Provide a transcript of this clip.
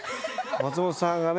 松本さんがね